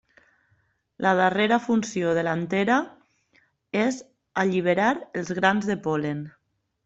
La darrera funció de l'antera és alliberar els grans de pol·len.